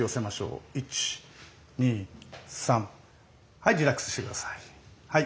はいリラックスして下さいはい。